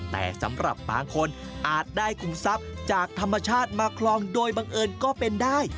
แต่สำหรับบางคนอาจได้คุมทรัพย์จากธรรมชาติมาคลองโดยบังเอิญก็เป็นได้